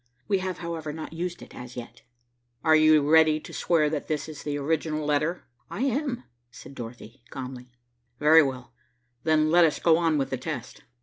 We have, however, not used it as yet." "You are ready to swear that this is the original letter?" "I am," said Dorothy calmly. "Very well, then, let us go on with the test."